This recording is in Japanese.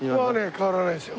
変わらないですよ。